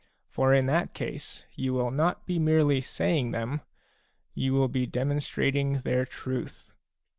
For in that case you will not be merely saying them ; you will be demonstrating their truth."